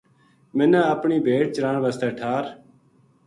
منا اپنی بھیڈ چران بسطے ٹھار